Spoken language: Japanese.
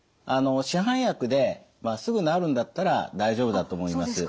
市販薬ですぐ治るんだったら大丈夫だと思います。